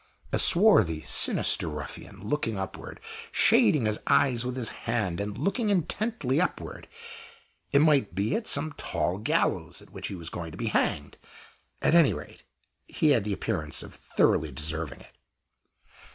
A swarthy, sinister ruffian, looking upward, shading his eyes with his hand, and looking intently upward it might be at some tall gallows at which he was going to be hanged. At any rate, he had the appearance of thoroughly deserving it.